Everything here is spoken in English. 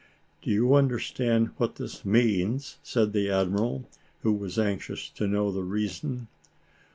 "Do you understand what this means?" said the admiral, who was anxious to know the reason.